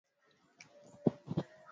Mapafu hujaa maji na povu na huwa makubwa